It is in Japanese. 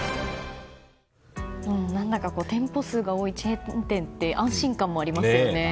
何だか店舗数が多いチェーン店って安心感もありますよね。